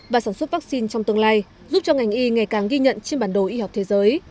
và sản xuất vaccine trong tương lai giúp cho ngành y ngày càng ghi nhận trên bản đồ y học thế giới